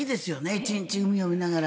１日海を見ながら。